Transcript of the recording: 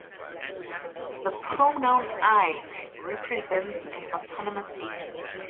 The pronoun "I" represents an autonomous agent.